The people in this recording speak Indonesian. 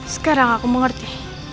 sekarang aku mengerti